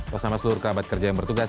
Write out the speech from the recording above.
bersama seluruh kerabat kerja yang bertugas